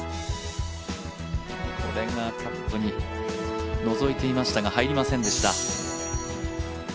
これがカップにのぞいていましたが、入りませんでした。